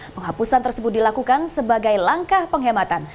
penghapusan tersebut dilakukan sebagai langkah penghematan